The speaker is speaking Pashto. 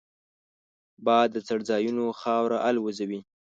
باد د څړځایونو خاوره الوزوي